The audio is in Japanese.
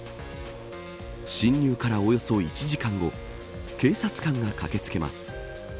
侵入からおよそ１時間後警察官が駆け付けます。